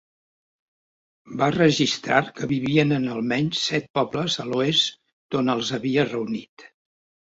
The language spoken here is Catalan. Va registrar que vivien en almenys set pobles a l'oest d'on els havia reunit.